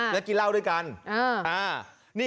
แล้วกินเหล้าด้วยกัน